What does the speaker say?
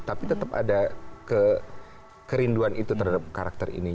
tapi tetap ada kerinduan itu terhadap karakter ini